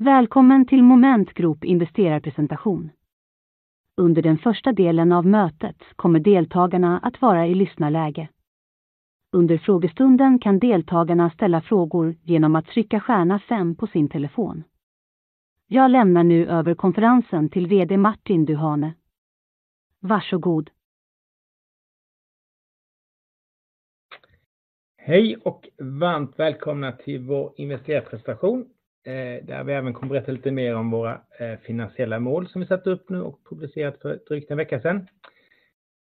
Välkommen till Moment Group investerarpresentation. Under den första delen av mötet kommer deltagarna att vara i lyssnarläge. Under frågestunden kan deltagarna ställa frågor genom att trycka stjärna fem på sin telefon. Jag lämnar nu över konferensen till VD Martin Duhane. Varsågod! Hej och varmt välkomna till vår investerarpresentation, där vi även kommer berätta lite mer om våra finansiella mål som vi satte upp nu och publicerat för drygt en vecka sedan.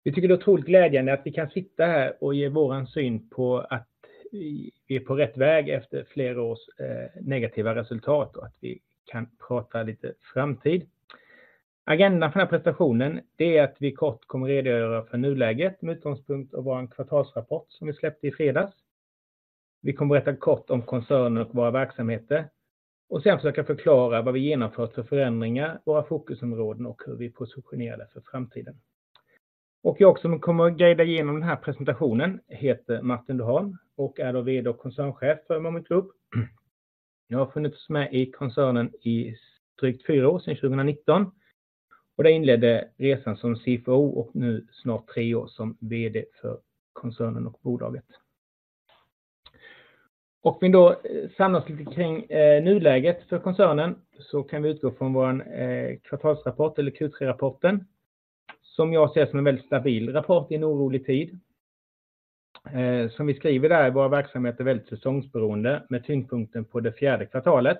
Vi tycker det är otroligt glädjande att vi kan sitta här och ge vår syn på att vi är på rätt väg efter flera års negativa resultat och att vi kan prata lite framtid. Agendan för den här presentationen det är att vi kort kommer redogöra för nuläget med utgångspunkt av vår kvartalsrapport som vi släppte i fredags. Vi kommer berätta kort om koncernen och våra verksamheter och sedan försöka förklara vad vi genomfört för förändringar, våra fokusområden och hur vi positionerar det för framtiden. Jag som kommer att guida igenom den här presentationen heter Martin Duhane och är VD och Koncernchef för Moment Group. Jag har funnits med i koncernen i drygt fyra år, sedan 2019, och det inledde resan som CFO och nu snart tre år som VD för koncernen och bolaget. Vi samlas lite kring nuläget för koncernen, så kan vi utgå från vår kvartalsrapport eller Q3-rapporten, som jag ser som en väldigt stabil rapport i en orolig tid. Som vi skriver där, våra verksamheter är väldigt säsongsberoende med tyngdpunkten på det fjärde kvartalet,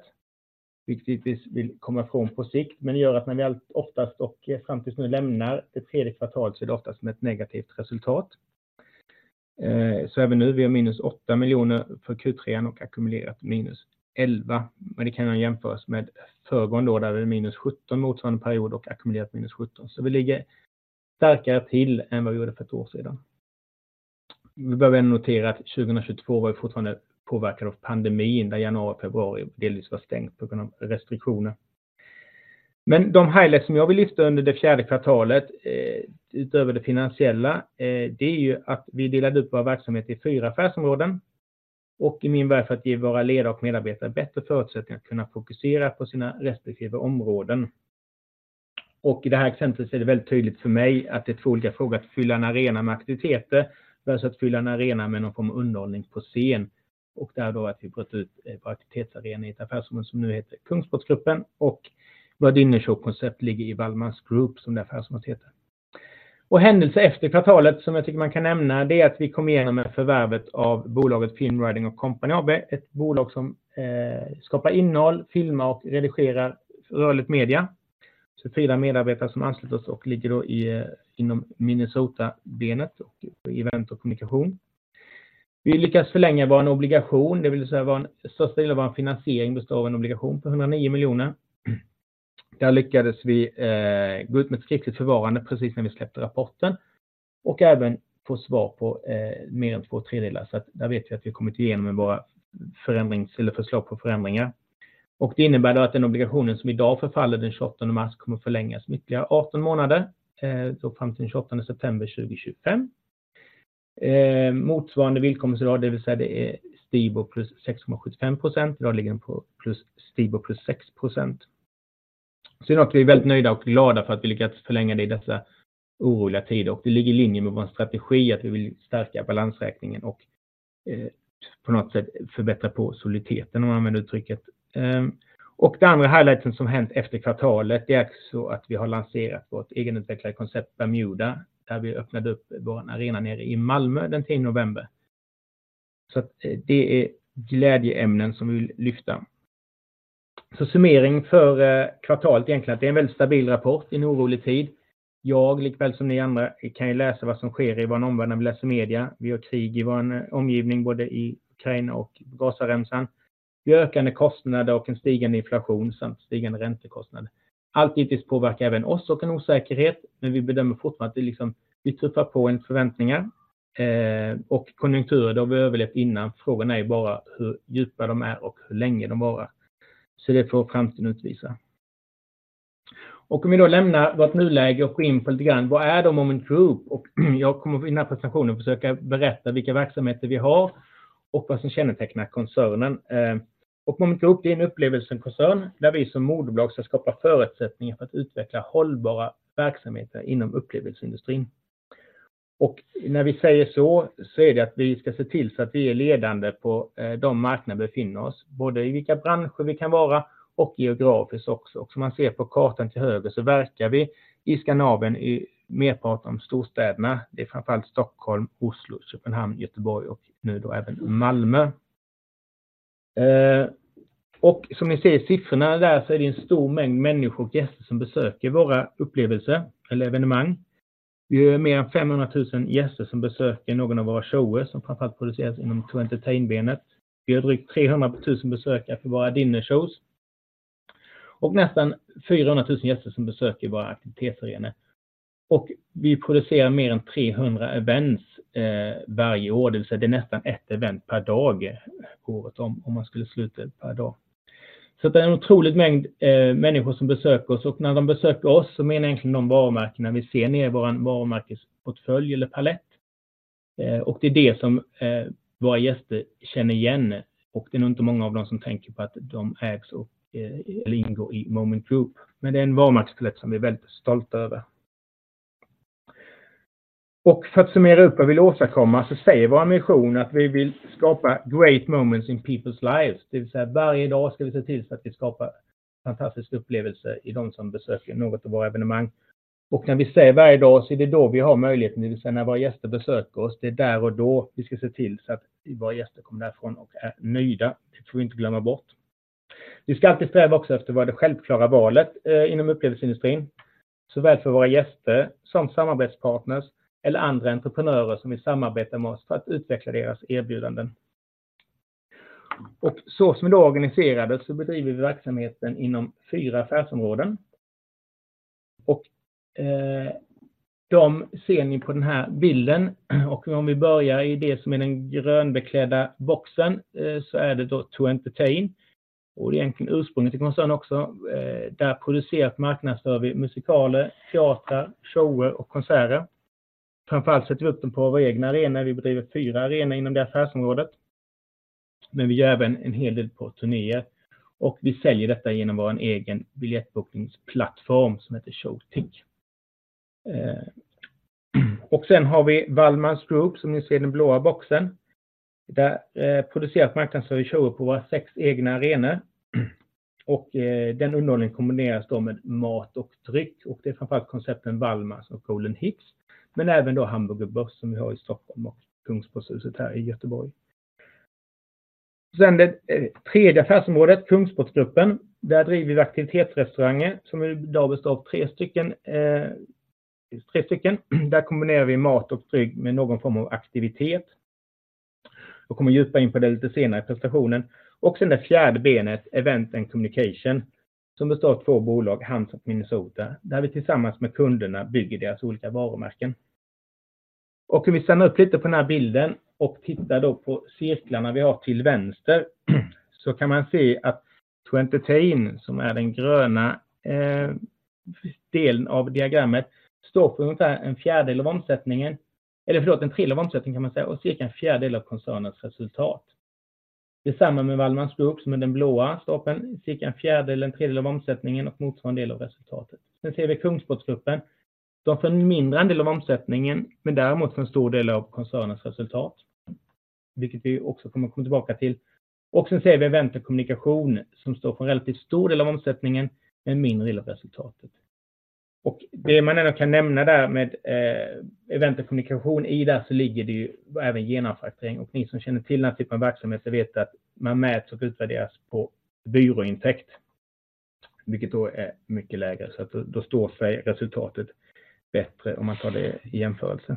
vilket vi vill komma från på sikt, men gör att när vi allt oftast och fram tills nu lämnar det tredje kvartalet, så är det oftast med ett negativt resultat. Så även nu, vi har minus åtta miljoner för Q3 och ackumulerat minus elva, men det kan jämföras med föregående då, där det är minus sjutton motsvarande period och ackumulerat minus sjutton. Vi ligger starkare till än vad vi gjorde för ett år sedan. Vi bör även notera att 2022 var fortfarande påverkad av pandemin, där januari och februari delvis var stängt på grund av restriktioner. Men de highlights som jag vill lyfta under det fjärde kvartalet, utöver det finansiella, det är att vi delade upp vår verksamhet i fyra affärsområden och i min värld för att ge våra ledare och medarbetare bättre förutsättningar att kunna fokusera på sina respektive områden. I det här exemplet är det väldigt tydligt för mig att det är två olika frågor att fylla en arena med aktiviteter versus att fylla en arena med någon form av underhållning på scen. Det är då att vi brutit ut vår aktivitetsarena i ett affärsområde som nu heter Kungsportsgruppen och vår dinnershow-koncept ligger i Wallmans Group, som det affärsområdet heter. Och händelse efter kvartalet som jag tycker man kan nämna, det är att vi kom igenom med förvärvet av bolaget Film Riding & Company AB, ett bolag som skapar innehåll, filmar och redigerar rörligt media. Så fyra medarbetare som ansluter oss och ligger då inom Minnesota-benet och event och kommunikation. Vi lyckades förlänga vår obligation, det vill säga vår största del av vår finansiering består av en obligation på 190 miljoner. Där lyckades vi gå ut med ett skickligt förvarande precis när vi släppte rapporten och även få svar på mer än två tredjedelar. Så att där vet vi att vi kommit igenom med våra förändrings- eller förslag på förändringar. Det innebär att den obligationen som idag förfaller den 28 mars kommer att förlängas ytterligare 18 månader, då fram till den 28 september 2025. Motsvarande villkor, det vill säga det är STIBOR plus 6,75%. Idag ligger den på plus Stibo plus 6%. Sen är vi väldigt nöjda och glada för att vi lyckats förlänga det i dessa oroliga tider och det ligger i linje med vår strategi att vi vill stärka balansräkningen och på något sätt förbättra på soliditeten, om man använder uttrycket. Och den andra highlighten som hänt efter kvartalet, det är så att vi har lanserat vårt egenutvecklade koncept Bermuda, där vi öppnade upp vår arena nere i Malmö den 10 november. Så att det är glädjeämnen som vi vill lyfta. Så summering för kvartalet är egentligen att det är en väldigt stabil rapport i en orolig tid. Jag, likväl som ni andra, kan ju läsa vad som sker i vår omvärld. Vi läser media, vi har krig i vår omgivning, både i Ukraina och Gazaremsan. Vi har ökande kostnader och en stigande inflation samt stigande räntekostnader. Allt givetvis påverkar även oss och en osäkerhet, men vi bedömer fortfarande att vi liksom, vi trumfar på enligt förväntningar. Och konjunkturer det har vi överlevt innan. Frågan är bara hur djupa de är och hur länge de varar. Så det får framtiden utvisa. Om vi då lämnar vårt nuläge och går in på lite grann, vad är då Moment Group? Jag kommer i den här presentationen försöka berätta vilka verksamheter vi har och vad som kännetecknar koncernen. Moment Group det är en upplevelsekoncern där vi som moderbolag ska skapa förutsättningar för att utveckla hållbara verksamheter inom upplevelseindustrin. När vi säger så, så är det att vi ska se till så att vi är ledande på de marknader vi befinner oss, både i vilka branscher vi kan vara och geografiskt också. Och som man ser på kartan till höger så verkar vi i Skandinavien, i merparten av storstäderna. Det är framför allt Stockholm, Oslo, Köpenhamn, Göteborg och nu då även Malmö. Och som ni ser i siffrorna där så är det en stor mängd människor och gäster som besöker våra upplevelser eller evenemang. Vi har mer än 500,000 gäster som besöker någon av våra shower, som framför allt produceras inom TW Entertain-benet. Vi har drygt 300,000 besökare för våra dinnershows och nästan 400,000 gäster som besöker våra aktivitetsarenor. Och vi producerar mer än 300 events varje år. Det vill säga, det är nästan ett event per dag, året om, om man skulle sluta per dag. Så det är en otrolig mängd människor som besöker oss och när de besöker oss så menar egentligen de varumärkena vi ser nere i vår varumärkesportfölj eller palett. Och det är det som våra gäster känner igen. Och det är nog inte många av dem som tänker på att de ägs och, eller ingår i Moment Group. Men det är en varumärkespalett som vi är väldigt stolta över. Och för att summera upp vad vi vill åstadkomma så säger vår mission att vi vill skapa great moments in people's lives. Det vill säga, varje dag ska vi se till så att vi skapar fantastiska upplevelser i de som besöker något av våra evenemang. Och när vi säger varje dag så är det då vi har möjligheten, det vill säga när våra gäster besöker oss. Det är där och då vi ska se till så att våra gäster kommer därifrån och är nöjda. Det får vi inte glömma bort. Vi ska alltid sträva också efter att vara det självklara valet inom upplevelseindustrin, såväl för våra gäster som samarbetspartners eller andra entreprenörer som vill samarbeta med oss för att utveckla deras erbjudanden. Och så som vi är organiserade så bedriver vi verksamheten inom fyra affärsområden. Och de ser ni på den här bilden. Och om vi börjar i det som är den grönbeklädda boxen, så är det då To Entertain, och det är egentligen ursprunget till koncernen också. Där producerar och marknadsför vi musikaler, teater, shower och konserter. Framför allt sätter vi upp dem på våra egna arenor. Vi bedriver fyra arenor inom det affärsområdet, men vi gör även en hel del på turnéer och vi säljer detta igenom vår egen biljettbokningsplattform som heter Showtick. Och sen har vi Wallmans Group, som ni ser i den blåa boxen. Där producerar och marknadsför vi shower på våra sex egna arenor. Och den underhållningen kombineras då med mat och dryck och det är framför allt koncepten Wallmans och Golden Hits, men även då Hamburger Börs, som vi har i Stockholm och Kungsbordshuset här i Göteborg. Sen det tredje affärsområdet, Kungsportsgruppen. Där driver vi aktivitetsrestauranger som i dag består av tre stycken. Där kombinerar vi mat och dryck med någon form av aktivitet. Jag kommer att djupa in på det lite senare i presentationen. Och sen det fjärde benet, Event and Communication, som består av två bolag, Hands och Minnesota, där vi tillsammans med kunderna bygger deras olika varumärken. Och om vi stannar upp lite på den här bilden och tittar då på cirklarna vi har till vänster, så kan man se att To Entertain, som är den gröna delen av diagrammet, står för ungefär en fjärdedel av omsättningen. Eller förlåt, en tredjedel av omsättningen kan man säga, och cirka en fjärdedel av koncernens resultat. Tillsammans med Wallmans Group, som är den blåa stapeln, cirka en fjärdedel, en tredjedel av omsättningen och motsvarande del av resultatet. Sen ser vi Kungsportsgruppen. De får en mindre andel av omsättningen, men däremot en stor del av koncernens resultat, vilket vi också kommer att komma tillbaka till. Och sen ser vi Event och Kommunikation, som står för en relativt stor del av omsättningen, men mindre av resultatet. Och det man ändå kan nämna där med Event och Kommunikation, i där så ligger det ju även genomfacturering. Och ni som känner till den här typen av verksamhet så vet att man mäts och utvärderas på byråintäkt, vilket då är mycket lägre. Så att då står sig resultatet bättre om man tar det i jämförelse.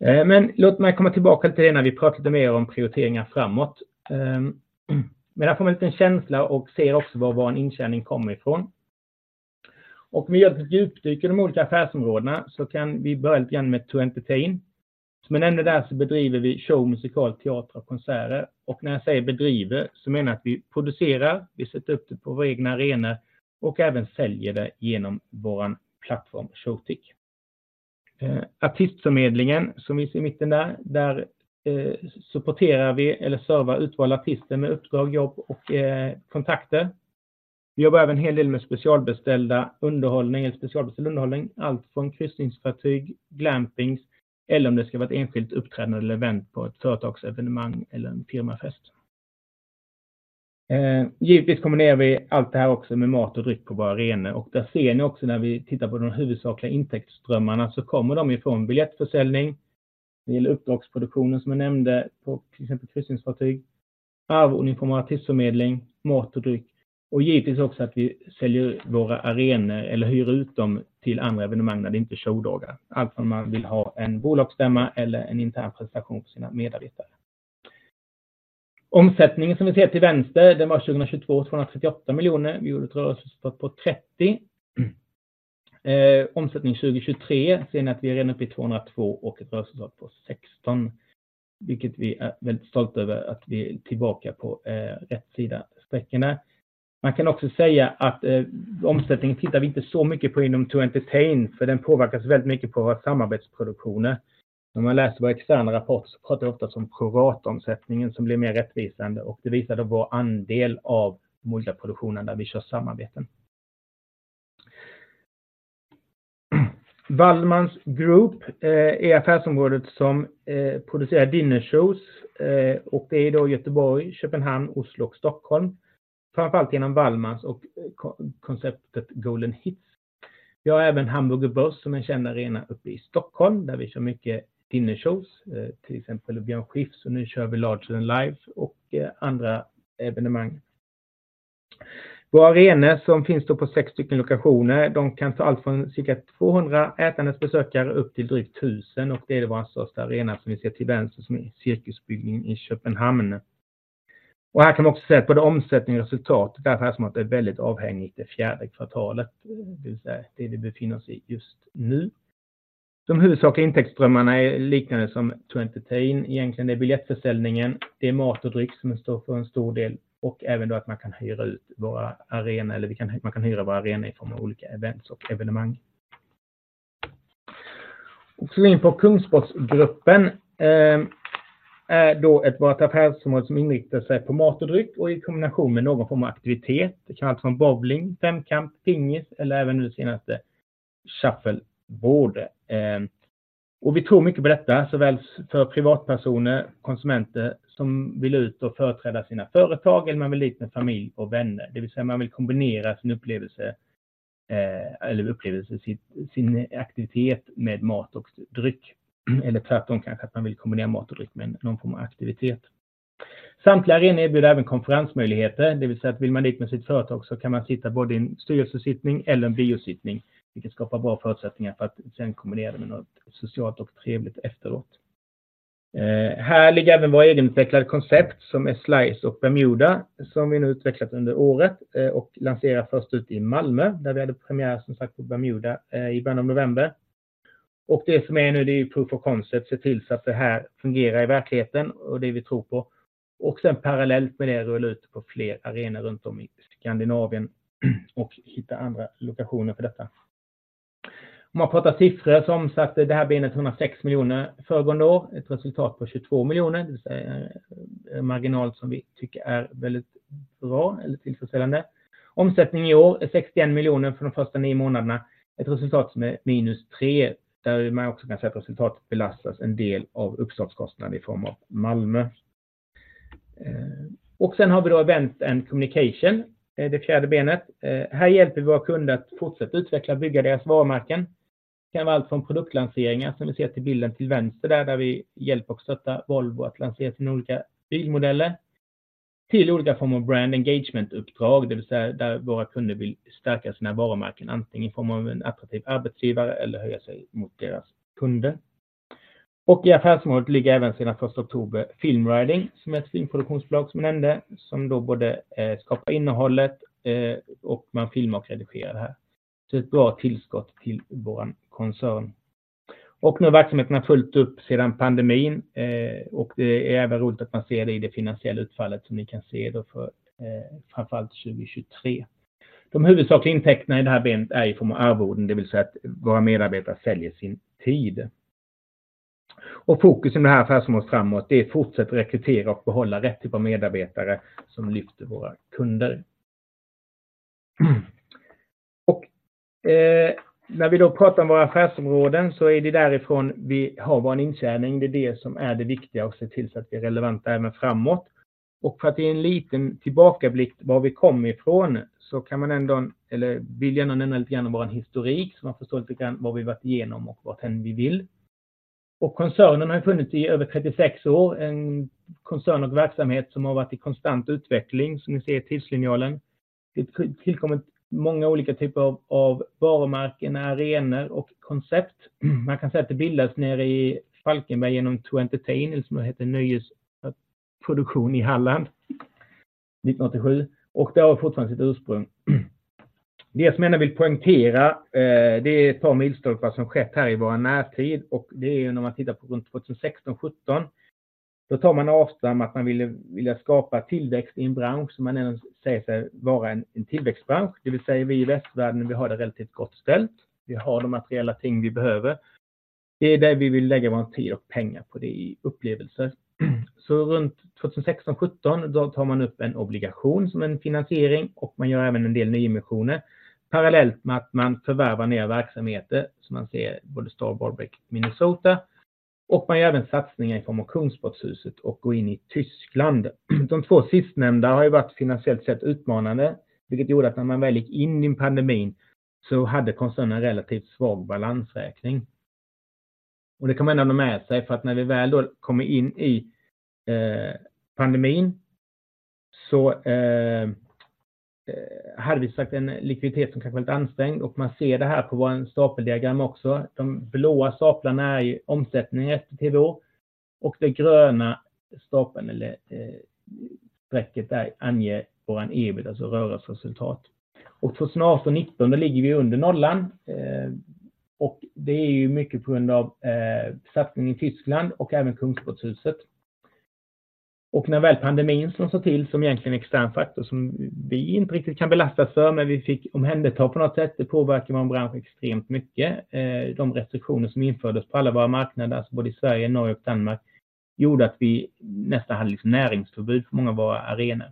Men låt mig komma tillbaka lite grann. Vi pratar lite mer om prioriteringar framåt. Men där får man en liten känsla och ser också var vår intjäning kommer ifrån. Och om vi gör ett litet djupdyk i de olika affärsområdena så kan vi börja lite grann med To Entertain. Som jag nämnde där så bedriver vi show, musikal, teater och konserter. Och när jag säger bedriver så menar jag att vi producerar, vi sätter upp det på vår egna arena och även säljer det igenom vår plattform, Showtick. Artistförmedlingen, som vi ser i mitten där, där supporterar vi eller servar utvalda artister med uppdrag, jobb och kontakter. Vi jobbar även en hel del med specialbeställd underhållning, allt från kryssningsfartyg, glampings eller om det ska vara ett enskilt uppträdande eller event på ett företagsevenemang eller en firmafest. Givetvis kombinerar vi allt det här också med mat och dryck på våra arenor och där ser ni också när vi tittar på de huvudsakliga intäktsströmmarna, så kommer de ju från biljettförsäljning. Det gäller uppdragsproduktionen som jag nämnde, på till exempel kryssningsfartyg, arvode från artistförmedling, mat och dryck och givetvis också att vi säljer våra arenor eller hyr ut dem till andra evenemang när det inte är showdagar. Allt från att man vill ha en bolagsstämma eller en intern presentation för sina medarbetare. Omsättningen som vi ser till vänster, den var 2022 238 miljoner. Vi gjorde ett rörelseresultat på 30. Omsättning 2023 ser ni att vi är redan upp i 202 och ett rörelseresultat på 16, vilket vi är väldigt stolta över att vi är tillbaka på rätt sida strecken. Man kan också säga att omsättningen tittar vi inte så mycket på inom To Entertain, för den påverkas väldigt mycket på våra samarbetsproduktioner. När man läser vår externa rapport så pratar vi ofta som pro rata-omsättningen, som blir mer rättvisande och det visar då vår andel av de olika produktionen där vi kör samarbeten. Wallmans Group är affärsområdet som producerar dinner shows, och det är då i Göteborg, Köpenhamn, Oslo och Stockholm. Framför allt igenom Wallmans och konceptet Golden Hits. Vi har även Hamburger Börs, som är en känd arena uppe i Stockholm, där vi kör mycket dinner shows, till exempel Björn Skifs och nu kör vi Larger than Life och andra evenemang. Våra arenor, som finns på sex stycken lokationer, de kan ta allt från cirka tvåhundra ätande besökare upp till drygt tusen och det är vår största arena som vi ser till vänster, som är Cirkusbyggnaden i Köpenhamn. Här kan man också se att både omsättning och resultat, det affärsområdet är väldigt beroende av det fjärde kvartalet, det vill säga det vi befinner oss i just nu. De huvudsakliga intäktsströmmarna är liknande som To Entertain. Egentligen, det är biljettförsäljningen, det är mat och dryck som står för en stor del och även att man kan hyra ut våra arenor eller vi kan, man kan hyra våra arenor i form av olika events och evenemang. Så in på Kungsportsgruppen, är då ett vårt affärsområde som inriktar sig på mat och dryck och i kombination med någon form av aktivitet. Det kan allt från bowling, femkamp, pingis eller även nu det senaste, shuffleboard. Och vi tror mycket på detta, såväl för privatpersoner, konsumenter som vill ut och företräda sina företag eller man vill ut med familj och vänner. Det vill säga, man vill kombinera sin upplevelse eller upplevelse, sin aktivitet med mat och dryck. Eller tvärtom, kanske att man vill kombinera mat och dryck med någon form av aktivitet. Samtliga arenor erbjuder även konferensmöjligheter, det vill säga att vill man dit med sitt företag så kan man sitta både i en styrelsesittning eller en biosittning, vilket skapar bra förutsättningar för att sedan kombinera det med något socialt och trevligt efteråt. Här ligger även vår egenutvecklade koncept, som är Slice och Bermuda, som vi nu utvecklat under året och lanserar först ut i Malmö, där vi hade premiär som sagt på Bermuda i början av november. Och det som är nu, det är proof of concept, se till att det här fungerar i verkligheten och det är det vi tror på. Och sen parallellt med det rulla ut på fler arenor runt om i Skandinavien och hitta andra lokationer för detta. Om man pratar siffror som satte det här benet 106 miljoner föregående år, ett resultat på 22 miljoner, det vill säga en marginal som vi tycker är väldigt bra eller tillfredsställande. Omsättning i år är 61 miljoner för de första nio månaderna. Ett resultat som är minus tre, där man också kan säga att resultatet belastas en del av uppstartskostnad i form av Malmö. Och sen har vi då Event and Communication, det fjärde benet. Här hjälper vi våra kunder att fortsätta utveckla och bygga deras varumärken. Det kan vara allt från produktlanseringar, som vi ser till bilden till vänster där, där vi hjälper och stöttar Volvo att lansera sina olika bilmodeller, till olika former av brand engagement-uppdrag, det vill säga där våra kunder vill stärka sina varumärken, antingen i form av en attraktiv arbetsgivare eller höja sig mot deras kunder. Och i affärsområdet ligger även sedan första oktober Film Riding, som är ett filmproduktionsbolag som jag nämnde, som då både skapar innehållet och man filmar och redigerar det här. Så ett bra tillskott till vår koncern. Nu har verksamheten fullt upp sedan pandemin, och det är även roligt att man ser det i det finansiella utfallet som ni kan se då för framför allt 2023. De huvudsakliga intäkterna i det här benet är i form av arvoden, det vill säga att våra medarbetare säljer sin tid. Fokus i det här affärsområdet framåt, det är att fortsätta rekrytera och behålla rätt typ av medarbetare som lyfter våra kunder. När vi då pratar om våra affärsområden så är det därifrån vi har vår intjäning. Det är det som är det viktiga och se till att vi är relevanta även framåt. För att ge en liten tillbakablick var vi kom ifrån, så kan man ändå, eller vill gärna nämna lite grann om vår historik, så man förstår lite grann vad vi varit igenom och vart vi vill. Koncernen har funnits i över trettiosex år, en koncern och verksamhet som har varit i konstant utveckling, som ni ser i tidslinjalen. Det har tillkommit många olika typer av varumärken, arenor och koncept. Man kan säga att det bildas nere i Falkenberg igenom To Entertain, som hette Nöjesproduktion i Halland, 1987, och det har fortfarande sitt ursprung. Det som jag vill poängtera, det är ett par milstolpar som skett här i vår närtid och det är när man tittar på runt 2016, 2017, då tar man avstamp att man ville skapa tillväxt i en bransch som man även ser sig vara en tillväxtbransch. Det vill säga, vi i västvärlden, vi har det relativt gott ställt. Vi har de materiella ting vi behöver. Det är där vi vill lägga vår tid och pengar på upplevelser. Så runt 2016, 2017, då tar man upp en obligation som en finansiering och man gör även en del nyemissioner. Parallellt med att man förvärvar nya verksamheter, som man ser både Star Break Minnesota, och man gör även satsningar i form av Kungsportshuset och går in i Tyskland. De två sistnämnda har ju varit finansiellt sett utmanande, vilket gjorde att när man väl gick in i en pandemi, så hade koncernen en relativt svag balansräkning. Och det kan man ändå ta med sig, för att när vi väl då kommer in i pandemin, så hade vi sagt en likviditet som kanske var lite ansträngd och man ser det här på vårt stapeldiagram också. De blåa staplarna är ju omsättning efter TV och den gröna stapeln eller strecket där anger vår EBIT, alltså rörelseresultat. Och för 2019, då ligger vi under nollan. Och det är ju mycket på grund av satsningen i Tyskland och även Kungsportshuset. Och när väl pandemin slår till, som egentligen en extern faktor som vi inte riktigt kan belastas för, men vi fick omhänderta på något sätt, det påverkar vår bransch extremt mycket. De restriktioner som infördes på alla våra marknader, alltså både i Sverige, Norge och Danmark, gjorde att vi nästan hade näringsförbud för många av våra arenor.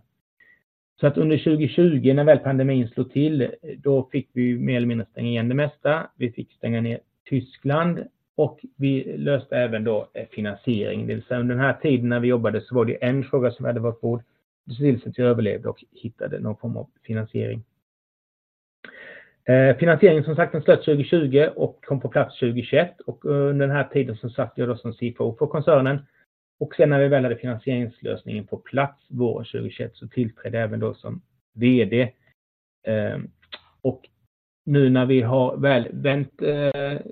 Under 2020, när väl pandemin slog till, då fick vi mer eller mindre stänga igen det mesta. Vi fick stänga ner Tyskland och vi löste även då finansiering. Det vill säga, under den här tiden när vi jobbade så var det en fråga som hade vårt bord, se till att vi överlevde och hittade någon form av finansiering. Finansiering som sagt, den slöts 2020 och kom på plats 2021. Under den här tiden så satt jag då som CFO för koncernen. Sedan när vi väl hade finansieringslösningen på plats, våren 2021, så tillträdde jag även då som VD. Nu när vi har väl vänt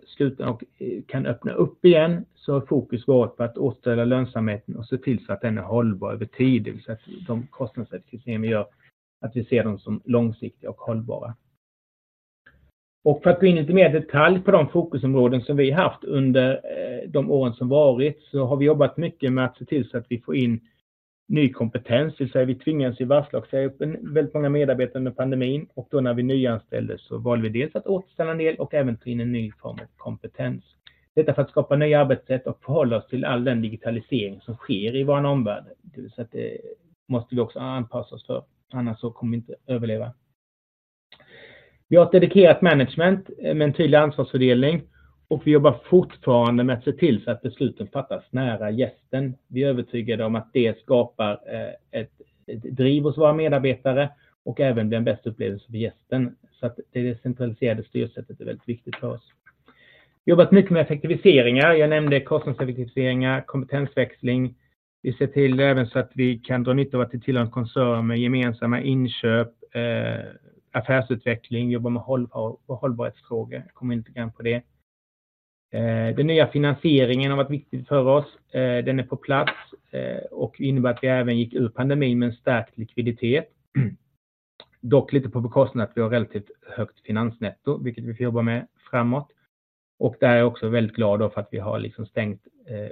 skutan och kan öppna upp igen, så har fokus varit på att återställa lönsamheten och se till så att den är hållbar över tid. Det vill säga, att de kostnadsreduktioner vi gör, att vi ser dem som långsiktiga och hållbara. Och för att gå in lite mer i detalj på de fokusområden som vi haft under de åren som varit, så har vi jobbat mycket med att se till så att vi får in ny kompetens, det vill säga vi tvingades ju varsla och säga upp väldigt många medarbetare under pandemin och då när vi nyanställde så valde vi dels att återställa en del och även ta in en ny form av kompetens. Detta för att skapa nya arbetssätt och förhålla oss till all den digitalisering som sker i vår omvärld. Det vill säga att det måste vi också anpassa oss för, annars så kommer vi inte överleva. Vi har ett dedikerat management med en tydlig ansvarsfördelning och vi jobbar fortfarande med att se till så att besluten fattas nära gästen. Vi är övertygade om att det skapar ett driv hos våra medarbetare och även den bästa upplevelsen för gästen. Så att det decentraliserade styrsättet är väldigt viktigt för oss. Vi har jobbat mycket med effektiviseringar. Jag nämnde kostnadseffektiviseringar, kompetensväxling. Vi ser till även så att vi kan dra nytta av att det tillhör en koncern med gemensamma inköp, affärsutveckling, jobba med hållbarhetsfrågor. Den nya finansieringen har varit viktigt för oss. Den är på plats och innebär att vi även gick ur pandemin med en stärkt likviditet. Dock lite på bekostnad att vi har relativt högt finansnetto, vilket vi får jobba med framåt. Där är jag också väldigt glad för att vi har stängt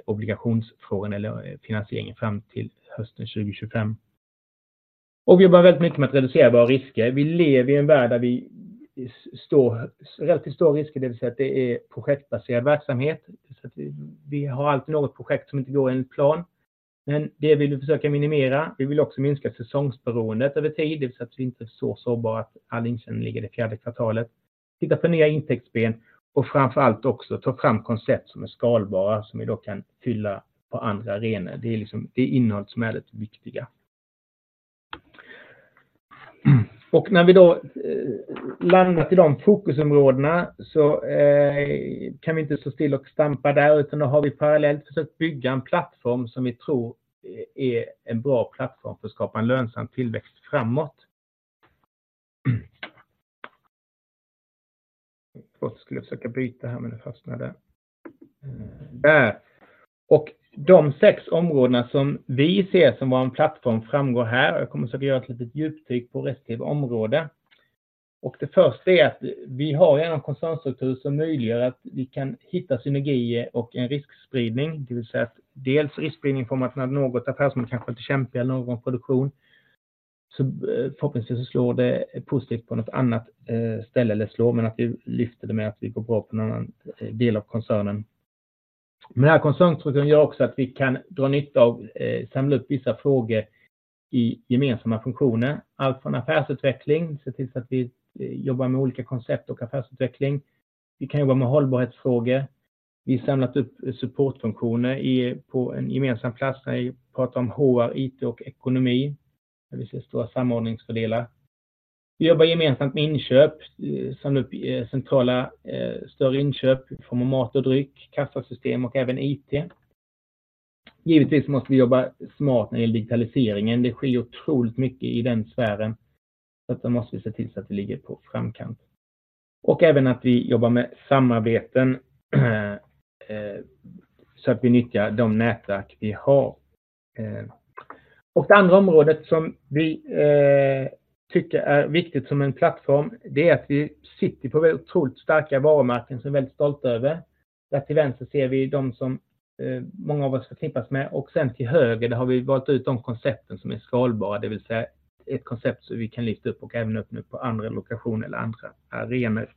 obligationsfrågan eller finansieringen fram till hösten 2025. Vi jobbar väldigt mycket med att reducera våra risker. Vi lever i en värld där vi står i relativt stor risk, det vill säga att det är projektbaserad verksamhet. Vi har alltid något projekt som inte går enligt plan, men det vill vi försöka minimera. Vi vill också minska säsongsberoendet över tid, det vill säga att vi inte är så sårbara att all intjäning ligger i det fjärde kvartalet. Titta på nya intäktsben och framför allt också ta fram koncept som är skalbara, som vi då kan fylla på andra arenor. Det är innehållet som är det viktiga. Och när vi då landat i de fokusområdena så kan vi inte stå still och stampa där, utan då har vi parallellt försökt bygga en plattform som vi tror är en bra plattform för att skapa en lönsam tillväxt framåt. Jag skulle försöka byta här, men det fastnade. Där! Och de sex områdena som vi ser som vår plattform framgår här. Jag kommer att försöka göra ett litet djupdyk på respektive område. Och det första är att vi har en koncernstruktur som möjliggör att vi kan hitta synergier och en riskspridning. Det vill säga att dels riskspridning i form av att något affärsmässigt kanske inte kämpar eller någon produktion, så förhoppningsvis så slår det positivt på något annat ställe eller slår, men att vi lyfter det med att vi går bra på någon annan del av koncernen. Men den här koncernstrukturen gör också att vi kan dra nytta av, samla upp vissa frågor i gemensamma funktioner. Allt från affärsutveckling, se till att vi jobbar med olika koncept och affärsutveckling. Vi kan jobba med hållbarhetsfrågor. Vi har samlat upp supportfunktioner på en gemensam plats när vi pratar om HR, IT och ekonomi, där vi ser stora samordningsfördelar. Vi jobbar gemensamt med inköp, samlar upp centrala större inköp i form av mat och dryck, kassasystem och även IT. Givetvis måste vi jobba smart när det gäller digitaliseringen. Det skiljer otroligt mycket i den sfären, så där måste vi se till att vi ligger på framkant. Och även att vi jobbar med samarbeten, så att vi nyttjar de nätverk vi har. Och det andra området som vi tycker är viktigt som en plattform, det är att vi sitter på otroligt starka varumärken som vi är väldigt stolta över. Där till vänster ser vi de som många av oss förknippas med och sedan till höger, där har vi valt ut de koncepten som är skalbara, det vill säga ett koncept som vi kan lyfta upp och även sätta upp nu på andra location eller andra arenor.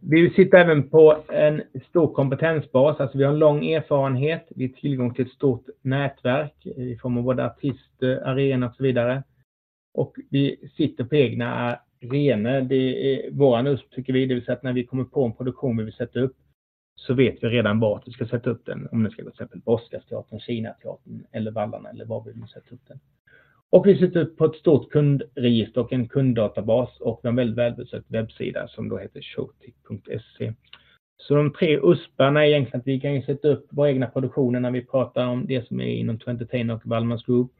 Vi sitter även på en stor kompetensbas. Vi har lång erfarenhet, vi har tillgång till ett stort nätverk i form av våra artister, arenor och så vidare. Vi sitter på egna arenor. Det är vår USP, tycker vi. Det vill säga att när vi kommer på en produktion vi vill sätta upp, så vet vi redan var vi ska sätta upp den. Om det ska till exempel på Oscarsteatern, Kinateatern eller Vallarna eller var vi vill sätta upp den. Vi sitter på ett stort kundregister och en kunddatabas och en väldigt välbesökt webbsida som då heter showtech.se. Så de tre USP:erna är egentligen att vi kan sätta upp våra egna produktioner när vi pratar om det som är inom Entertainment och Wallmans Group.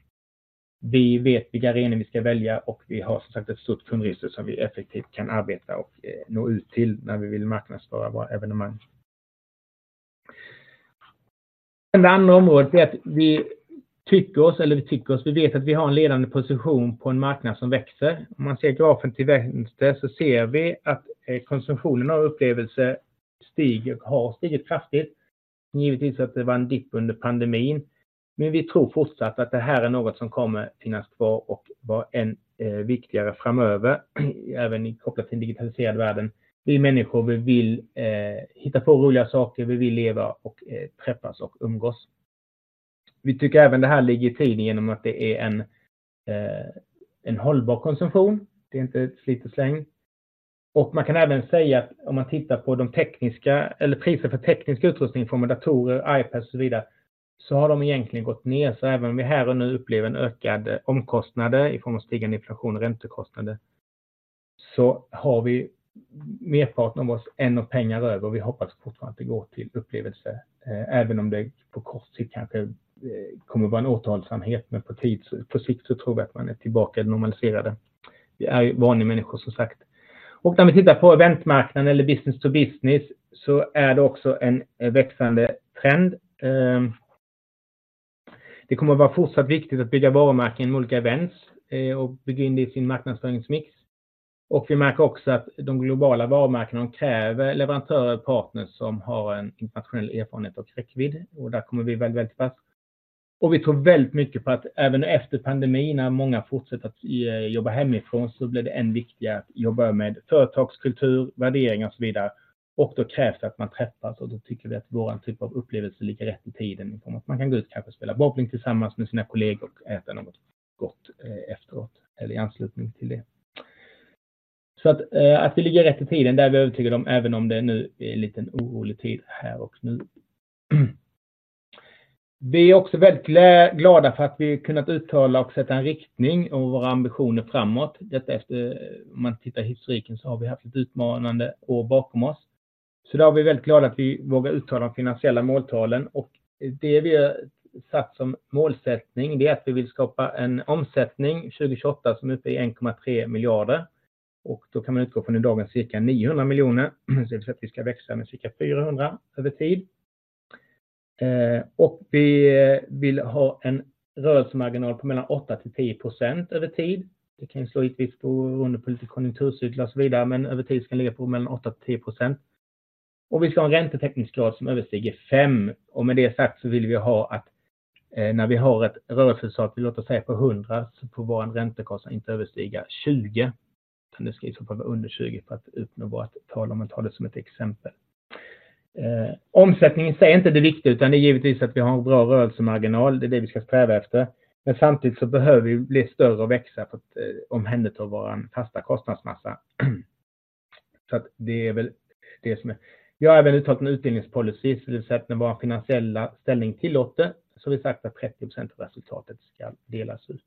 Vi vet vilka arenor vi ska välja och vi har som sagt ett stort kundregister som vi effektivt kan arbeta och nå ut till när vi vill marknadsföra våra evenemang. Det andra området är att vi tycker oss, vi vet att vi har en ledande position på en marknad som växer. Om man ser grafen till vänster så ser vi att konsumtionen av upplevelse stiger, har stigit kraftigt. Givetvis att det var en dipp under pandemin, men vi tror fortsatt att det här är något som kommer finnas kvar och vara än viktigare framöver, även kopplat till en digitaliserad världen. Vi är människor, vi vill hitta på roliga saker, vi vill leva och träffas och umgås. Vi tycker även det här ligger i tiden igenom att det är en hållbar konsumtion. Det är inte slit och släng. Man kan även säga att om man tittar på de tekniska eller priser för teknisk utrustning i form av datorer, iPads och så vidare, så har de egentligen gått ner. Så även om vi här och nu upplever en ökad omkostnad i form av stigande inflation och räntekostnader, så har vi merparten av oss ändå pengar över och vi hoppas fortfarande att det går till upplevelse, även om det på kort sikt kanske kommer vara en återhållsamhet. Men på tid, på sikt så tror vi att man är tillbaka och normaliserade. Vi är ju vanliga människor, som sagt. Och när vi tittar på eventmarknaden eller business to business, så är det också en växande trend. Det kommer att vara fortsatt viktigt att bygga varumärken i olika events och bygga in det i sin marknadsföringsmix. Och vi märker också att de globala varumärkena, de kräver leverantörer och partners som har en internationell erfarenhet och räckvidd och där kommer vi väldigt, väldigt fast. Och vi tror väldigt mycket på att även efter pandemin, när många fortsätter att jobba hemifrån, så blir det än viktigare att jobba med företagskultur, värderingar och så vidare. Och då krävs det att man träffas och då tycker vi att vår typ av upplevelse ligger rätt i tiden. Man kan gå ut och kanske spela bowling tillsammans med sina kollegor och äta något gott efteråt eller i anslutning till det. Vi ligger rätt i tiden, det är vi övertygade om, även om det nu är en liten orolig tid här och nu. Vi är också väldigt glada för att vi kunnat uttala och sätta en riktning och våra ambitioner framåt. Detta efter, om man tittar i historiken, så har vi haft ett utmanande år bakom oss. Då är vi väldigt glada att vi vågar uttala de finansiella måltalen och det vi har satt som målsättning, det är att vi vill skapa en omsättning 2028 som är uppe i 1,3 miljarder. Då kan man utgå från i dagens cirka 900 miljoner. Det vill säga att vi ska växa med cirka 400 över tid. Vi vill ha en rörelsemarginal på mellan 8% till 10% över tid. Det kan ju slå hit visst på, beroende på lite konjunkturcykel och så vidare, men över tid ska det ligga på mellan 8% till 10%. Vi ska ha en räntetäckningsgrad som överstiger fem. Med det sagt så vill vi ha att när vi har ett rörelseresultat, vi låter säga på hundra, så får vår räntekostnad inte överstiga tjugo. Det ska vara under tjugo för att uppnå vårt tal, om man tar det som ett exempel. Omsättningen i sig är inte det viktiga, utan det är givetvis att vi har en bra rörelsemarginal. Det är det vi ska sträva efter. Men samtidigt så behöver vi bli större och växa för att omhänderta vår fasta kostnadsmassa. Det är väl det som är. Vi har även uttalat en utdelningspolicy, det vill säga att när vår finansiella ställning tillåter, så har vi sagt att 30% av resultatet ska delas ut.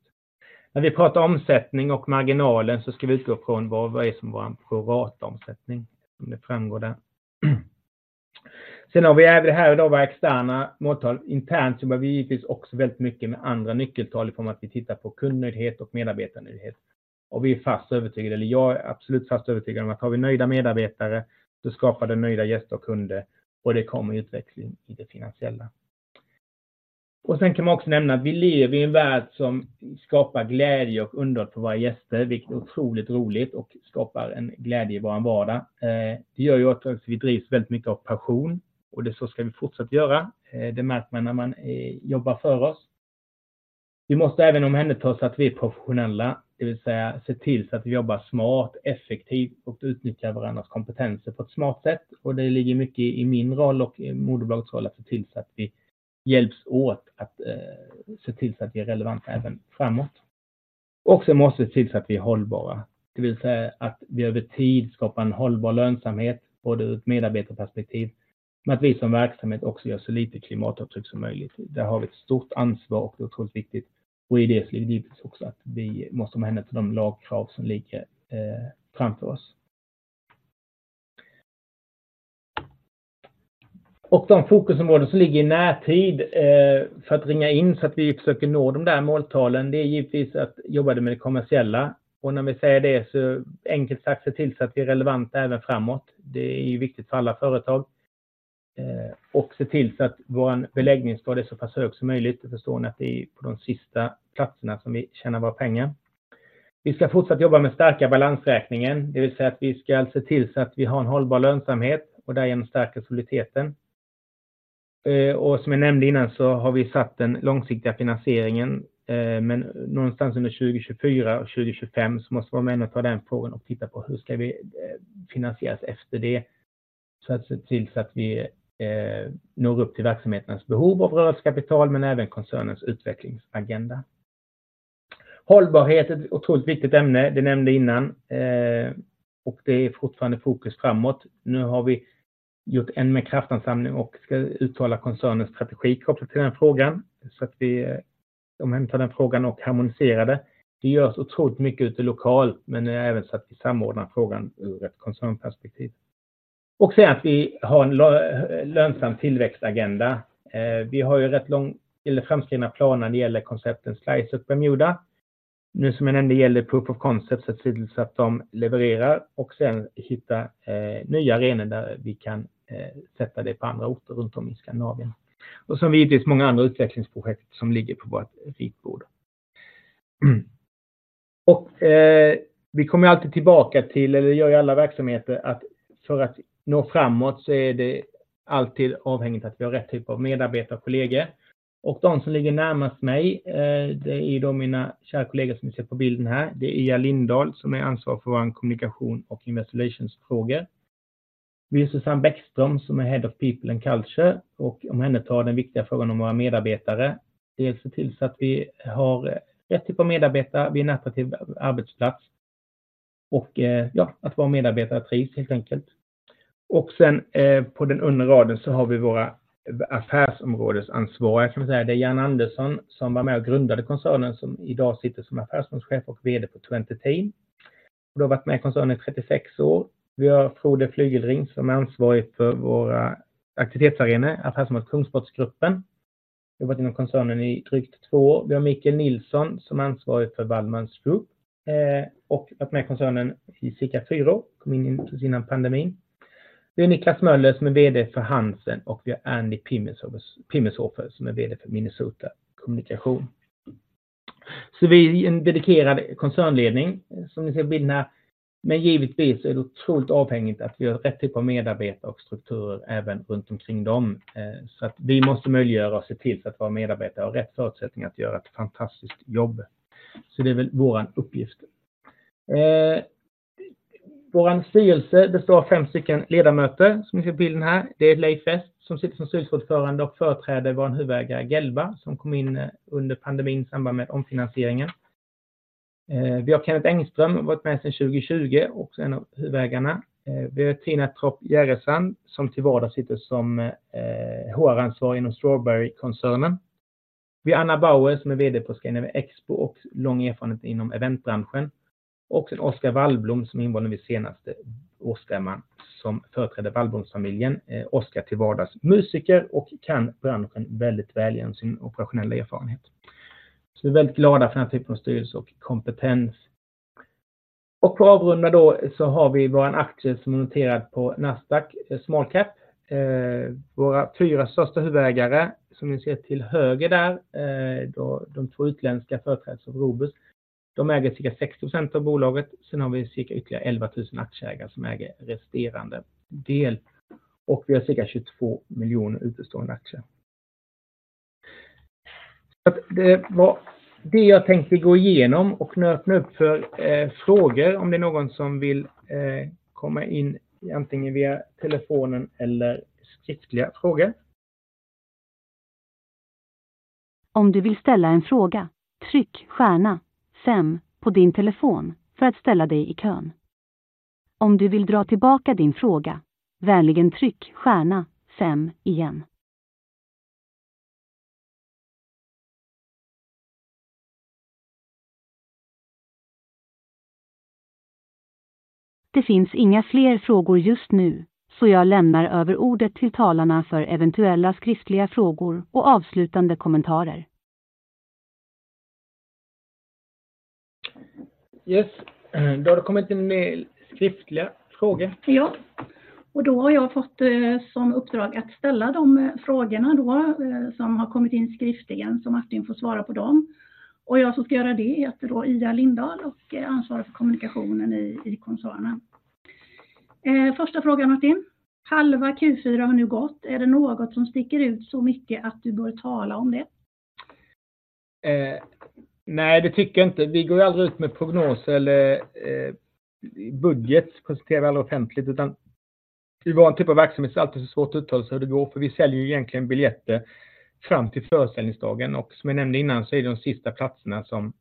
När vi pratar omsättning och marginalen så ska vi utgå från vad som är vår pro rata omsättning, som det framgår där. Sen har vi även våra externa måltal. Internt jobbar vi givetvis också väldigt mycket med andra nyckeltal i form av att vi tittar på kundnöjdhet och medarbetarnöjdhet. Vi är fast övertygade, eller jag är absolut fast övertygad om att har vi nöjda medarbetare, så skapar det nöjda gäster och kunder och det kommer utveckling i det finansiella. Sen kan man också nämna att vi lever i en värld som skapar glädje och undrar på våra gäster, vilket är otroligt roligt och skapar en glädje i vår vardag. Det gör ju också att vi drivs väldigt mycket av passion och det så ska vi fortsatt göra. Det märker man när man jobbar för oss. Vi måste även omhänderta så att vi är professionella, det vill säga se till så att vi jobbar smart, effektivt och utnyttjar varandras kompetenser på ett smart sätt. Det ligger mycket i min roll och Moderblads roll att se till så att vi hjälps åt att se till så att vi är relevanta även framåt. Sen måste vi se till så att vi är hållbara. Det vill säga att vi över tid skapar en hållbar lönsamhet, både ur ett medarbetarperspektiv, men att vi som verksamhet också gör så lite klimatavtryck som möjligt. Där har vi ett stort ansvar och det är otroligt viktigt. Och i det så är det givetvis också att vi måste omhänderta de lagkrav som ligger framför oss. Och de fokusområden som ligger i närtid för att ringa in så att vi försöker nå de där måltalen, det är givetvis att jobba med det kommersiella. Och när vi säger det så enkelt sagt, se till så att vi är relevanta även framåt. Det är ju viktigt för alla företag. Och se till så att vår beläggningsgrad är så pass hög som möjligt. Det förstår ni att det är på de sista platserna som vi tjänar våra pengar. Vi ska fortsätta jobba med att stärka balansräkningen. Det vill säga att vi ska se till så att vi har en hållbar lönsamhet och därigenom stärka soliditeten. Och som jag nämnde innan så har vi satt den långsiktiga finansieringen, men någonstans under 2024 och 2025 så måste vi vara med och ta den frågan och titta på hur ska vi finansieras efter det. Så att se till så att vi når upp till verksamhetens behov av rörelsekapital, men även koncernens utvecklingsagenda. Hållbarhet, ett otroligt viktigt ämne. Det nämnde jag innan, och det är fortfarande fokus framåt. Nu har vi gjort en mer kraftsamling och ska uttala koncernens strategi kopplat till den frågan, så att vi omhändertar den frågan och harmoniserar det. Det görs otroligt mycket ute lokalt, men nu även så att vi samordnar frågan ur ett koncernperspektiv. Och sen att vi har en lönsam tillväxtagenda. Vi har ju rätt långa eller framskridna planer när det gäller koncepten Slice och Bermuda. Nu som jag nämnde gäller proof of concept, se till att de levererar och sedan hitta nya arenor där vi kan sätta det på andra orter runt om i Skandinavien. Sedan har vi givetvis många andra utvecklingsprojekt som ligger på vårt ritbord. Vi kommer alltid tillbaka till, eller det gör ju alla verksamheter, att för att nå framåt så är det alltid avhängigt att vi har rätt typ av medarbetare och kollegor. De som ligger närmast mig, det är då mina kära kollegor som ni ser på bilden här. Det är Ia Lindahl, som är ansvarig för vår kommunikation och investor relations frågor. Vi har Susanne Bäckström, som är Head of People and Culture och omhändertar den viktiga frågan om våra medarbetare. Dels se till så att vi har rätt typ av medarbetare, vi är en attraktiv arbetsplats och ja, att våra medarbetare trivs helt enkelt. Och sen på den undre raden så har vi våra affärsområdesansvariga. Det är Jan Andersson, som var med och grundade koncernen, som i dag sitter som Affärsområdeschef och VD på TwentyTeam och har varit med i koncernen i trettiosex år. Vi har Frode Flygelring, som är ansvarig för våra aktivitetsarenor, affärsområdet Kungsportsgruppen. Jobbat inom koncernen i drygt två år. Vi har Mikael Nilsson, som är ansvarig för Vallmans Group och varit med i koncernen i cirka fyra år. Kom in innan pandemin. Vi har Niklas Möller som är VD för Hansen och vi har Andy Pimmershofer, som är VD för Minnesota Kommunikation. Så vi är en dedikerad koncernledning, som ni ser bilden här. Men givetvis är det otroligt avhängigt att vi har rätt typ av medarbetare och strukturer även runt omkring dem, så att vi måste möjliggöra och se till att våra medarbetare har rätt förutsättningar att göra ett fantastiskt jobb. Så det är väl vår uppgift. Vår styrelse består av fem stycken ledamöter, som ni ser på bilden här. Det är Leif West, som sitter som styrelseordförande och företräder vår huvudägare Gelva, som kom in under pandemin i samband med omfinansieringen. Vi har Kenneth Engström, varit med sedan 2020 och en av huvudägarna. Vi har Tina Tropp Jerresand, som till vardags sitter som HR-ansvarig inom Strawberry-koncernen. Vi har Anna Bauer, som är VD på Skaneve Expo och lång erfarenhet inom eventbranschen. Och så Oscar Wallblom, som invånade vid senaste årsstämman, som företräder Wallblom-familjen. Oscar är till vardags musiker och kan branschen väldigt väl igenom sin operationella erfarenhet. Vi är väldigt glada för den här typen av styrelse och kompetens. För att avrunda så har vi vår aktie som är noterad på Nasdaq Small Cap. Eh, våra fyra största huvudägare, som ni ser till höger där, då de två utländska företräds av Robus. De äger cirka 60% av bolaget. Sen har vi cirka ytterligare elvatusen aktieägare som äger resterande del och vi har cirka tjugotvå miljoner utestående aktier. Så att det var det jag tänkte gå igenom och nu öppna upp för frågor, om det är någon som vill komma in antingen via telefonen eller skriftliga frågor. Om du vill ställa en fråga, tryck stjärna fem på din telefon för att ställa dig i kön. Om du vill dra tillbaka din fråga, vänligen tryck stjärna fem igen. Det finns inga fler frågor just nu, så jag lämnar över ordet till talarna för eventuella skriftliga frågor och avslutande kommentarer. Yes, då har det kommit in mer skriftliga frågor. Ja, och då har jag fått som uppdrag att ställa de frågorna då som har kommit in skriftligen, så Martin får svara på dem. Och jag som ska göra det heter då Ida Lindahl och ansvarar för kommunikationen i koncernen. Första frågan Martin: Halva Q4 har nu gått. Är det något som sticker ut så mycket att du bör tala om det? Eh, nej, det tycker jag inte. Vi går ju aldrig ut med prognoser eller budgets publicerar vi aldrig offentligt, utan i vår typ av verksamhet är det alltid så svårt att uttala sig hur det går, för vi säljer ju egentligen biljetter fram till föreställningsdagen och som jag nämnde innan så är det de sista platserna som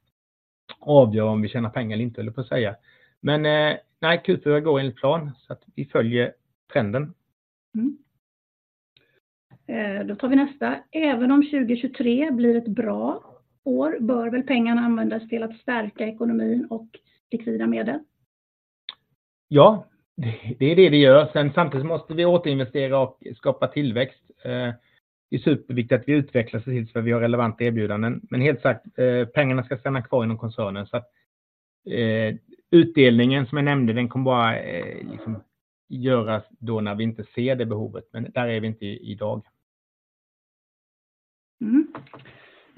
avgör om vi tjänar pengar eller inte, höll jag på att säga. Men nej, Q4 går enligt plan, så att vi följer trenden. Mm. Då tar vi nästa. Även om 2023 blir ett bra år, bör väl pengarna användas till att stärka ekonomin och likvida medel? Ja, det är det det gör. Sen samtidigt måste vi återinvestera och skapa tillväxt. Det är superviktigt att vi utvecklas och ser till att vi har relevanta erbjudanden. Men helt klart, pengarna ska stanna kvar inom koncernen. Så att utdelningen som jag nämnde, den kommer bara liksom göras då när vi inte ser det behovet, men där är vi inte idag. Mm.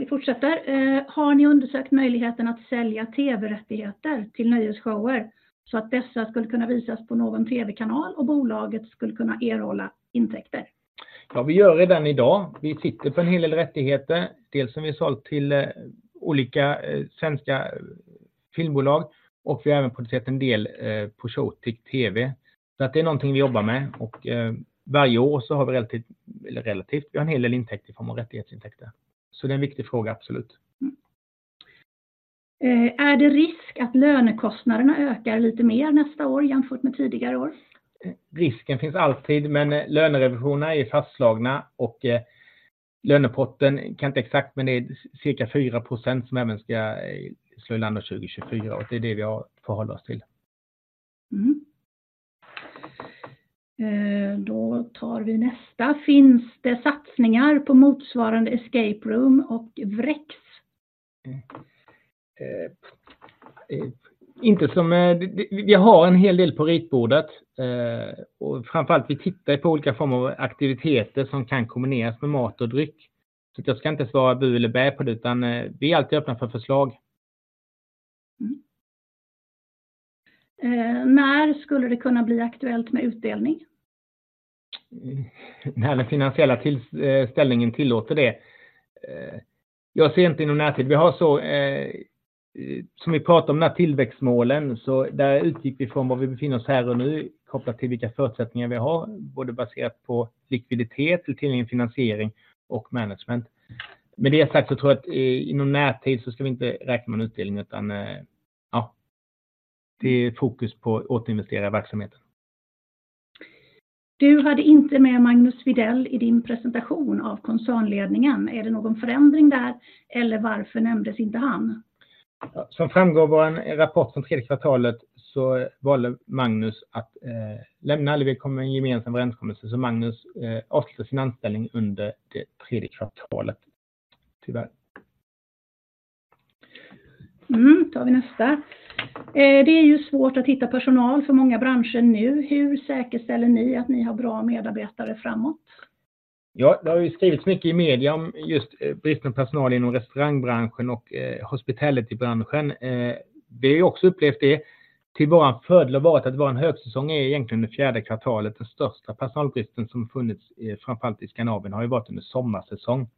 Vi fortsätter. Har ni undersökt möjligheten att sälja TV-rättigheter till nöjesshower så att dessa skulle kunna visas på någon TV-kanal och bolaget skulle kunna erhålla intäkter? Ja, vi gör det redan idag. Vi sitter på en hel del rättigheter, dels som vi har sålt till olika svenska filmbolag och vi har även producerat en del på Shortick TV. Så det är någonting vi jobbar med och varje år så har vi relativt, eller relativt, vi har en hel del intäkter i form av rättighetsintäkter. Så det är en viktig fråga, absolut. Är det risk att lönekostnaderna ökar lite mer nästa år jämfört med tidigare år? Risken finns alltid, men lönerevisionerna är fastslagna och lönepotten, jag kan inte exakt, men det är cirka 4% som även ska slå landa 2024. Det är det vi har att förhålla oss till. Mm. Då tar vi nästa. Finns det satsningar på motsvarande escape room och vräks? Eh, inte som... Vi har en hel del på ritbordet och framför allt, vi tittar på olika former av aktiviteter som kan kombineras med mat och dryck. Så jag ska inte svara bu eller bä på det, utan vi är alltid öppna för förslag. Mm. När skulle det kunna bli aktuellt med utdelning? När den finansiella situationen tillåter det. Jag ser inte inom närtid. Vi har så, som vi pratar om med tillväxtmålen, så där utgick vi från vad vi befinner oss här och nu, kopplat till vilka förutsättningar vi har, både baserat på likviditet, tillgänglig finansiering och management. Med det sagt så tror jag att inom närtid så ska vi inte räkna med en utdelning, utan ja, det är fokus på återinvestera i verksamheten. Du hade inte med Magnus Widell i din presentation av koncernledningen. Är det någon förändring där? Eller varför nämndes inte han? Som framgår i vår rapport från tredje kvartalet så valde Magnus att lämna. Vi kom med en gemensam överenskommelse, så Magnus avslutade sin anställning under det tredje kvartalet. Tyvärr. Mm, tar vi nästa. Det är ju svårt att hitta personal för många branscher nu. Hur säkerställer ni att ni har bra medarbetare framåt? Ja, det har ju skrivits mycket i media om just bristen på personal inom restaurangbranschen och hospitality-branschen. Vi har också upplevt det. Till vår fördel har varit att vår högsäsong är egentligen det fjärde kvartalet. Den största personalbristen som funnits, framför allt i Skandinavien, har ju varit under sommarsäsong.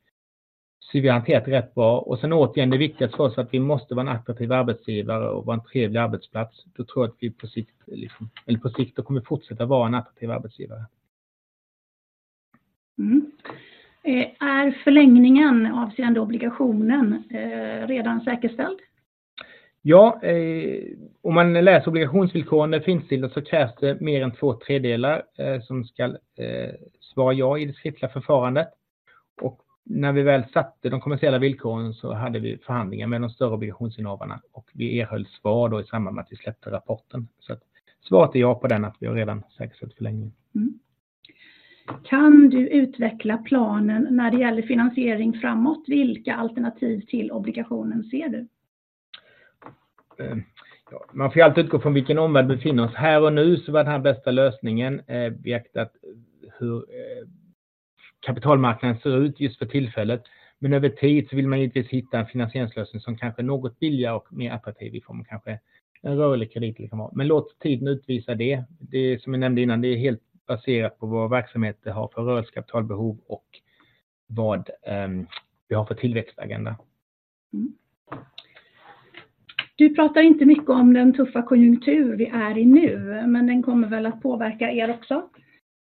Så vi har hanterat det rätt bra. Och sen återigen, det viktigaste för oss är att vi måste vara en attraktiv arbetsgivare och vara en trevlig arbetsplats. Då tror jag att vi på sikt kommer fortsätta vara en attraktiv arbetsgivare. Mm. Är förlängningen avseende obligationen redan säkerställd? Ja, om man läser obligationsvillkorens finstil, så krävs det mer än två tredjedelar som ska svara ja i det skriftliga förfarandet. Och när vi väl satte de kommersiella villkoren så hade vi förhandlingar med de större obligationsinnehavarna och vi erhöll svar då i samband med att vi släppte rapporten. Så att svaret är ja på den, att vi har redan säkerställt förlängningen. Mm. Kan du utveckla planen när det gäller finansiering framåt? Vilka alternativ till obligationen ser du? Ja, man får alltid utgå från vilken omvärld vi befinner oss. Här och nu, så var den här bästa lösningen, beaktat hur kapitalmarknaden ser ut just för tillfället. Men över tid så vill man givetvis hitta en finansieringslösning som kanske är något billigare och mer attraktiv i form av kanske en rörlig kredit eller vad. Men låt tiden utvisa det. Det som jag nämnde innan, det är helt baserat på vad verksamheten har för rörligt kapitalbehov och vad vi har för tillväxtagenda. Mm. Du pratar inte mycket om den tuffa konjunktur vi är i nu, men den kommer väl att påverka er också?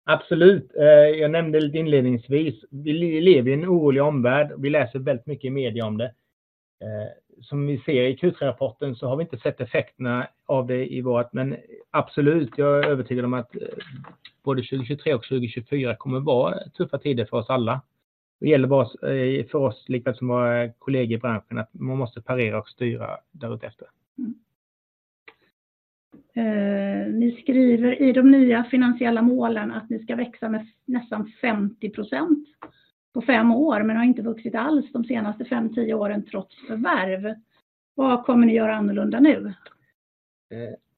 Absolut. Jag nämnde lite inledningsvis, vi lever i en orolig omvärld. Vi läser väldigt mycket i media om det. Som vi ser i Q3-rapporten så har vi inte sett effekterna av det i vårt. Men absolut, jag är övertygad om att både 2023 och 2024 kommer vara tuffa tider för oss alla. Det gäller bara för oss, likaväl som våra kollegor i branschen, att man måste parera och styra därefter. Mm. Eh, ni skriver i de nya finansiella målen att ni ska växa med nästan 50% på fem år, men har inte vuxit alls de senaste fem, tio åren trots förvärv. Vad kommer ni göra annorlunda nu?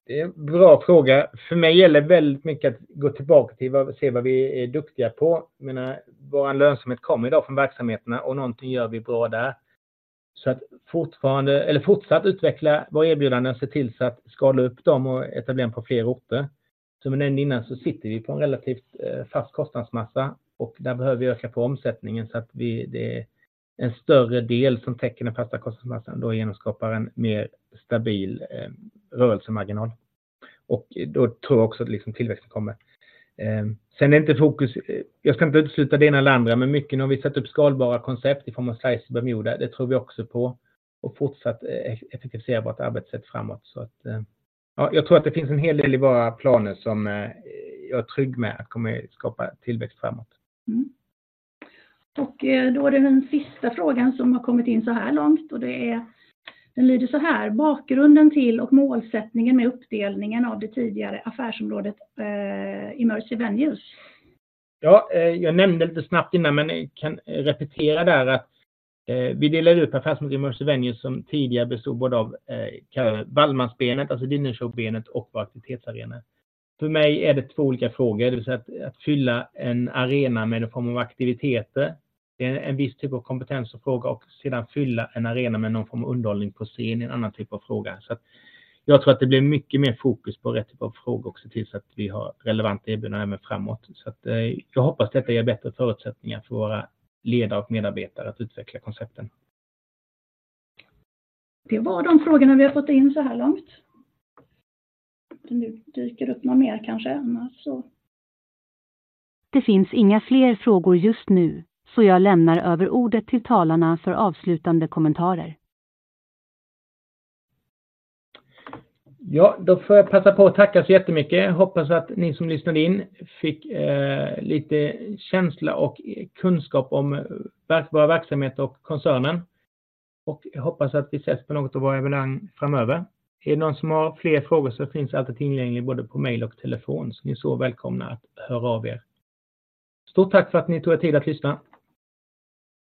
Det är en bra fråga. För mig gäller väldigt mycket att gå tillbaka till och se vad vi är duktiga på. Jag menar, vår lönsamhet kommer idag från verksamheterna och någonting gör vi bra där. Så att fortfarande eller fortsatt utveckla vårt erbjudande och se till att skala upp dem och etablera dem på fler orter. Som jag nämnde innan så sitter vi på en relativt fast kostnadsmassa och där behöver vi öka på omsättningen så att vi, det är en större del som täcker den fasta kostnadsmassan och därigenom skapar en mer stabil rörelsemarginal. Då tror jag också att tillväxten kommer. Sen är inte fokus... Jag ska inte utesluta det ena eller det andra, men mycket när vi sätter upp skalbara koncept i form av size Bermuda, det tror vi också på och fortsatt effektivisera vårt arbetssätt framåt. Så att, ja, jag tror att det finns en hel del i våra planer som jag är trygg med att kommer skapa tillväxt framåt. Mm. Och då är det den sista frågan som har kommit in såhär långt och det är, den lyder såhär: Bakgrunden till och målsättningen med uppdelningen av det tidigare affärsområdet, eh, Immerse Venues. Ja, jag nämnde lite snabbt innan, men jag kan repetera där att vi delar ut affärsområdet Immerse Venues, som tidigare bestod både av Wallmans-benet, alltså dinner show-benet och vår aktivitetsarena. För mig är det två olika frågor, det vill säga att fylla en arena med någon form av aktiviteter. Det är en viss typ av kompetens och fråga och sedan fylla en arena med någon form av underhållning på scen är en annan typ av fråga. Jag tror att det blir mycket mer fokus på rätt typ av frågor och se till så att vi har relevant erbjudande även framåt. Jag hoppas detta ger bättre förutsättningar för våra ledare och medarbetare att utveckla koncepten. Det var de frågorna vi har fått in såhär långt. Nu dyker det upp något mer kanske, annars så. Det finns inga fler frågor just nu, så jag lämnar över ordet till talarna för avslutande kommentarer. Ja, då får jag passa på att tacka så jättemycket. Hoppas att ni som lyssnade in fick lite känsla och kunskap om våra verksamheter och koncernen. Jag hoppas att vi ses på något av våra evenemang framöver. Är det någon som har fler frågor så finns jag alltid tillgänglig både på mail och telefon, så ni är så välkomna att höra av er. Stort tack för att ni tog er tid att lyssna!